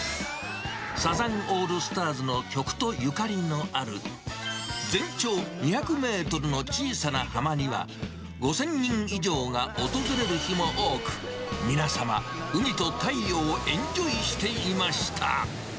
サザンオールスターズの曲とゆかりのある、全長２００メートルの小さな浜には、５０００人以上が訪れる日も多く、皆様、海と太陽をエンジョイしていました。